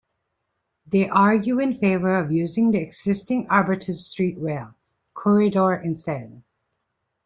They argued in favour of using the existing Arbutus Street rail corridor instead.